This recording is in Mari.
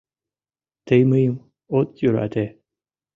Тый мыйым от йӧрате...